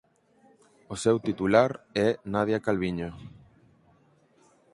O seu titular é Nadia Calviño.